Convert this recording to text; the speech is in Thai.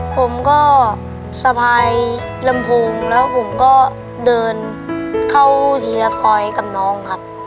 ผมก็สะพายลำโพงแล้วผมก็เดินเข้าทีละคอยกับน้องครับ